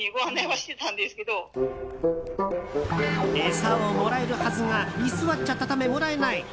餌をもらえるはずが居座っちゃったため、もらえない。